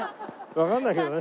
わかんないけどね。